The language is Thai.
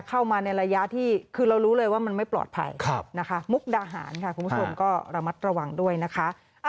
เข้ามาในระยะที่คือเรารู้เลยว่ามันไม่ปลอดภัยนะคะมุกดาหารค่ะคุณผู้ชมก็ระมัดระวังด้วยนะคะ